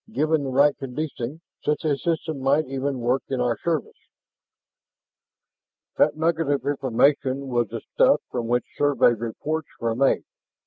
Given the right conditioning, such a system might even work in our service." That nugget of information was the stuff from which Survey reports were made.